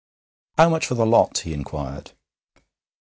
'How much for the lot?' he inquired.